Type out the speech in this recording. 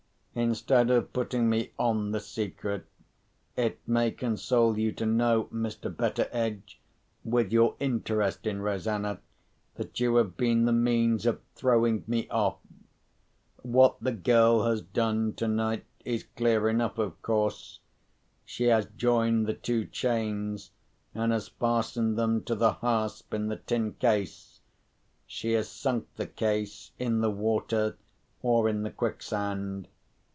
"Instead of putting me on the scent, it may console you to know, Mr. Betteredge (with your interest in Rosanna), that you have been the means of throwing me off. What the girl has done, tonight, is clear enough, of course. She has joined the two chains, and has fastened them to the hasp in the tin case. She has sunk the case, in the water or in the quicksand.